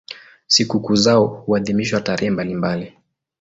Sikukuu zao huadhimishwa tarehe mbalimbali.